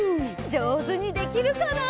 じょうずにできるかな？